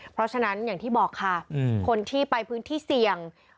เพราะฉะนั้นอย่างที่บอกค่ะคนที่ไปพื้นที่เสี่ยง